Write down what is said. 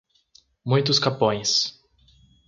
Muitos Capões